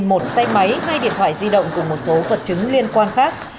một xe máy hai điện thoại di động cùng một số vật chứng liên quan khác